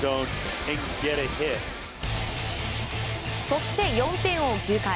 そして４点を追う９回。